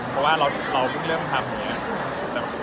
เพราะว่าเราเพิ่งเริ่มทำอย่างนี้